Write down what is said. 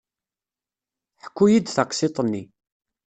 Ḥku-iyi-d taqsiṭ-nni.